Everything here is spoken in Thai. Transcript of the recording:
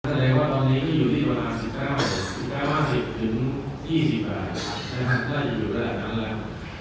แสดงว่าตอนนี้ที่อยู่ที่ประมาณ๑๙๒๐บาทถ้าอยู่กระดับนั้น